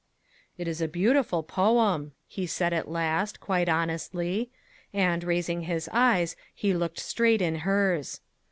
"It is a beautiful poem," he said at last, quite honestly; and, raising his eyes, he looked straight in hers.